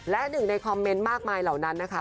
และหนึ่งในคอมเมนต์มากมายเหล่านั้นนะคะ